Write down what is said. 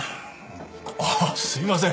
ああすいません！